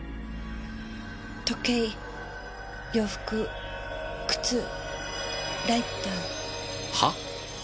時計洋服靴ライター。は？